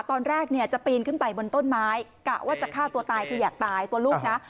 ตอนแรกเนี่ยจะปีนขึ้นไปบนต้นไม้กะว่าจะฆ่าตัวตายคืออยากตายตัวลูกนะ